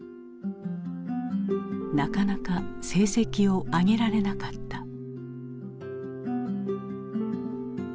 なかなか成績を上げられなかった。